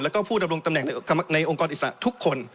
แล้วก็ผู้ดำรงตำแหน่งในองค์กรอิสระทุกคน